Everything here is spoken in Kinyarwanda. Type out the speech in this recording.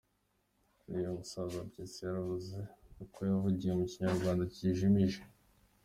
Buriya umusaza mpyisi yaravuze nuko yavugiye mu Kinyarwanda kijimije!